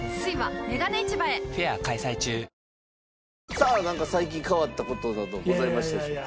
さあなんか最近変わった事などございましたでしょうか？